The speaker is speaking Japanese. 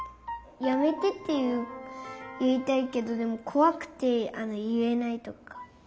「やめて」っていいたいけどこわくていえないとか。